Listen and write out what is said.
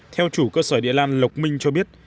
theo chủ cơ sở địa lan lộc minh cho biết